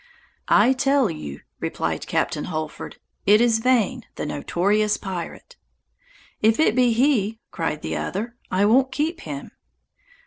"I tell you," replied Captain Holford, "it is Vane the notorious pirate." "If it be he," cried the other, "I won't keep him."